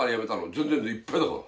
全然いっぱいだから。